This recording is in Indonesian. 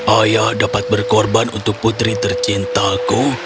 ayah dapat berkorban untuk putri tercintaku